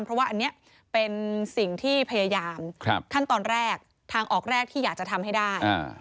เพราะว่าอันนี้เป็นสิ่งที่พยายามขั้นตอนแรกทางออกแรกที่อยากจะทำให้ได้